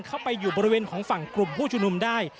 เข้าไปอยู่บริเวณของฝั่งกลุ่มผู้ชุมนุมได้